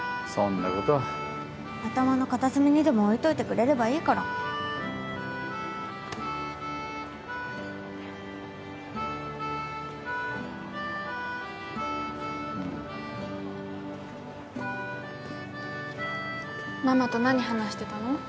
そんなことは頭の片隅にでも置いといてくれればいいからママと何話してたの？